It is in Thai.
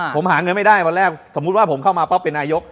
ผมหาเงินไม่ได้วันแรกสมมุติว่าผมเข้ามาปั๊บเป็นนายก